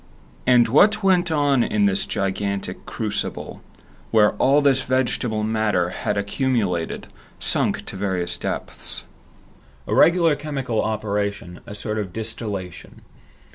And what went on in this gigantic crucible, where all this vegetable matter had accumulated, sunk to various depths? A regular chemical operation, a sort of distillation.